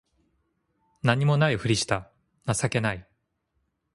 何も無いふりした情けない